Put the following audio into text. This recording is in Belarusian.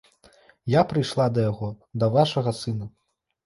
Я прыйшла да яго, да вашага сына.